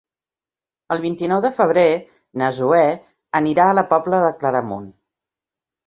El vint-i-nou de febrer na Zoè anirà a la Pobla de Claramunt.